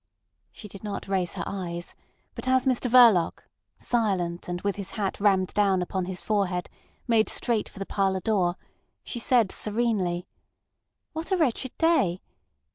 She did not raise her eyes, but as Mr Verloc, silent, and with his hat rammed down upon his forehead, made straight for the parlour door, she said serenely: "What a wretched day.